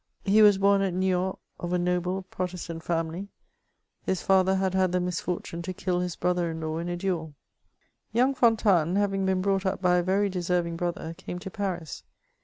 He was bom at Niort, of a noble, Protestant family ; his father had had the misfortune to kill his brother in law in a duel. 406 MEMOIRS OF Young Fontanes, having been brought up by a yerj deserving brother, came to Paris.